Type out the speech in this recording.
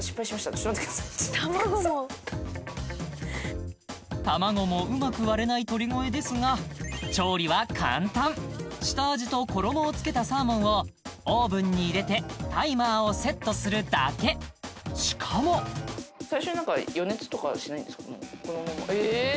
ちょっと待ってください卵もうまく割れない鳥越ですが調理は簡単下味と衣をつけたサーモンをオーブンに入れてタイマーをセットするだけしかもええっ